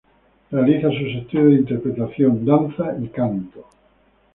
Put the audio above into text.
Realiza sus estudios de interpretación, danza y canto.